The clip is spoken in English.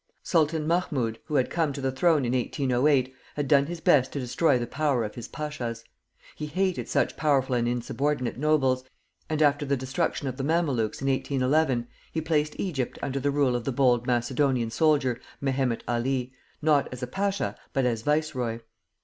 Sultan Mahmoud, who had come to the throne in 1808, had done his best to destroy the power of his pashas. He hated such powerful and insubordinate nobles, and after the destruction of the Mamelukes in 1811, he placed Egypt under the rule of the bold Macedonian soldier, Mehemet Ali, not as a pasha, but as viceroy.